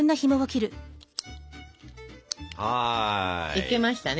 いけましたね。